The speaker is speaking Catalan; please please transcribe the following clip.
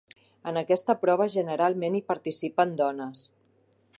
En aquesta prova generalment hi participen dones.